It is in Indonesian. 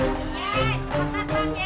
oke selamat datang ye